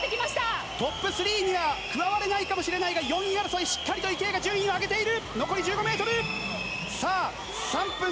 トップ３には加われないかもしれないが４位争いしっかりと池江が順位を上げている！